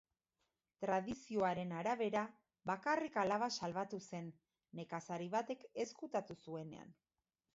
Tradizioaren arabera, bakarrik alaba salbatu zen, nekazari batek ezkutatu zuenean.